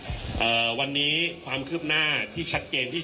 คุณผู้ชมไปฟังผู้ว่ารัฐกาลจังหวัดเชียงรายแถลงตอนนี้ค่ะ